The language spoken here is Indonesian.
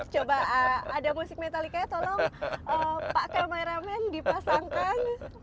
coba ada musik metallica nya tolong pak kameramen dipasangkan